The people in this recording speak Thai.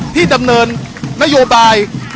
ดำเนินนโยบาย